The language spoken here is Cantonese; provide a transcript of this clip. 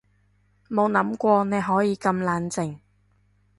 冇諗過你可以咁冷靜